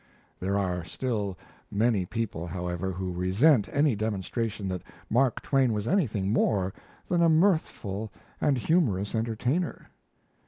There are still many people, however, who resent any demonstration that Mark Twain was anything more than a mirthful and humorous entertainer.